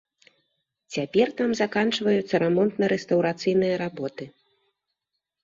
Цяпер там заканчваюцца рамонтна-рэстаўрацыйныя работы.